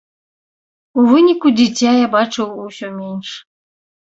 У выніку дзіця я бачыў усё менш.